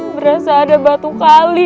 merasa ada batu kali